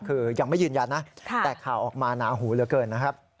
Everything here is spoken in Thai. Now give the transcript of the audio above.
คือยังไม่ยืนยันนะแต่ข่าวออกมาหนาหูเหลือเกินนะครับ